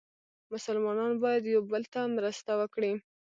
مسلمانان باید یو بل ته مرسته وکړي.